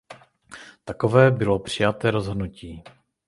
Takové bylo přijaté rozhodnutí.